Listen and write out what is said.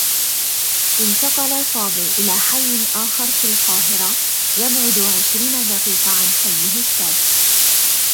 انتقل فاضل إلى حيّ آخر في القاهرة يبعد عشرين دقيقة عن حيّه الّسّابق.